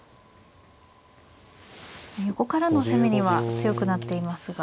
横からの攻めには強くなっていますが。